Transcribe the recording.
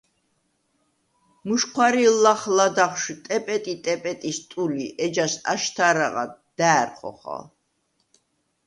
მუჟჴვარი̄ლ ლახ ლადაღშვ “ტეპეტი-ტეპეტი”-ს ტული, ეჯას აშთა̄რაღად და̄̈რ ხოხალ.